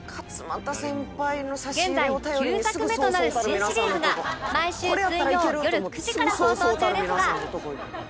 現在９作目となる新シリーズが毎週水曜よる９時から放送中ですが